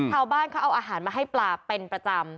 ชาวบ้านเขาเอาอาหารมาให้ปลาเป็นประจำ